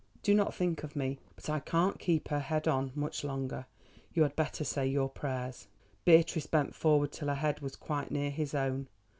Do not think of me. But I can't keep her head on much longer. You had better say your prayers." Beatrice bent forward till her head was quite near his own.